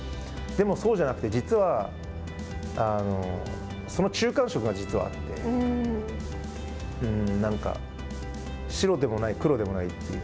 でも、そうじゃなくて、実はその中間色が実はあってなんか、白でもない黒でもないという。